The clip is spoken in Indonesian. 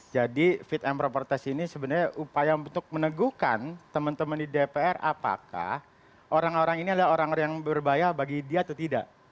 jadi fit and proper test ini sebenarnya upaya untuk meneguhkan teman teman di dpr apakah orang orang ini adalah orang yang berbahaya bagi dia atau tidak